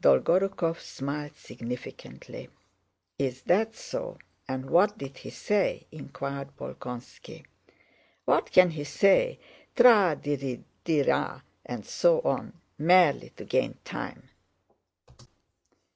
Dolgorúkov smiled significantly. "Is that so? And what did he say?" inquired Bolkónski. "What can he say? Tra di ri di ra and so on... merely to gain time.